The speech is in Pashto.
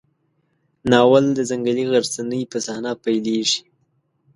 ناول د ځنګلي غرڅنۍ په صحنه پیلېږي.